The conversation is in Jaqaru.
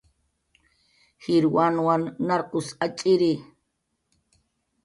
Jir wanwan narqus atx'iri